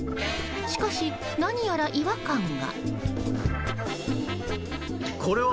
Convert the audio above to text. しかし、何やら違和感が。